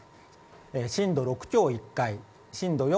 震度６強、１回震度４、